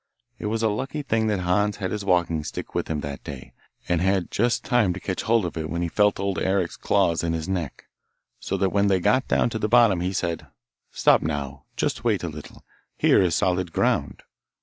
It was a lucky thing that Hans had his walking stick with him that day, and had just time to catch hold of it when he felt Old Eric's claws in his neck, so when they got down to the bottom he said, 'Stop now, just wait a little; here is solid ground.